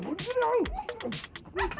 gua juga gak senang